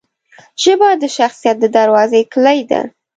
ژبه د شخصیت دروازې کلۍ ده